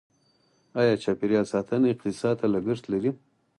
آیا چاپیریال ساتنه اقتصاد ته لګښت لري؟